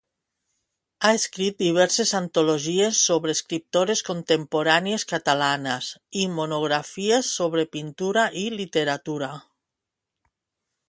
Ha escrit diverses antologies sobre escriptores contemporànies catalanes i monografies sobre pintura i literatura.